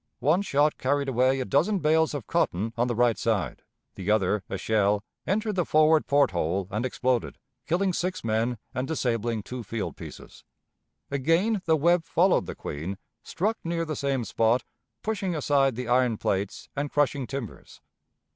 One shot carried away a dozen bales of cotton on the right side; the other, a shell, entered the forward port hole and exploded, killing six men and disabling two field pieces. Again the Webb followed the Queen, struck near the same spot, pushing aside the iron plates and crushing timbers.